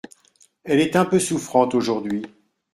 Elle est un peu souffrante aujourd’hui…